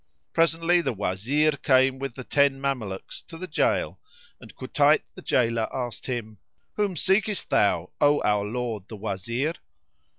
Presently, the Wazir came with ten Mamelukes to the jail and Kutayt the jailor asked him, "Whom seekest thou, O our lord the Wazir?"